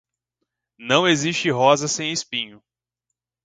Não existe rosa sem espinho.